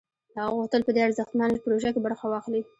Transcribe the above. هغه غوښتل په دې ارزښتمنه پروژه کې برخه واخلي